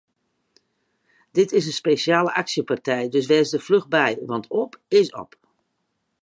Dit is in spesjale aksjepartij, dat wês der fluch by want op is op!